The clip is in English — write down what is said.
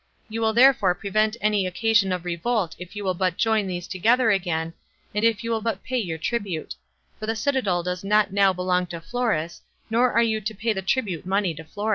You will therefore prevent any occasion of revolt if you will but join these together again, and if you will but pay your tribute; for the citadel does not now belong to Florus, nor are you to pay the tribute money to Florus."